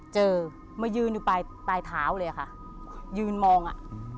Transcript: เจอมายืนอยู่ปลายปลายเท้าเลยอะค่ะยืนมองอ่ะ